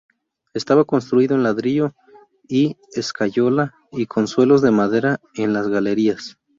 Estaba construido en ladrillo y escayola, y con suelos de madera en las galerías.